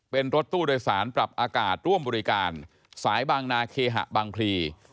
เป็นรถตู้โดยสารปรับอากาศร่วมบริการสายบางนาเคหะบางพลี